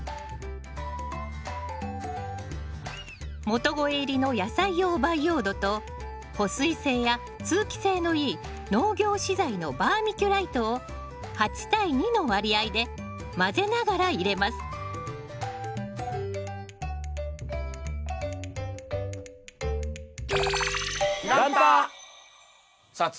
元肥入りの野菜用培養土と保水性や通気性のいい農業資材のバーミキュライトを８対２の割合で混ぜながら入れますさあ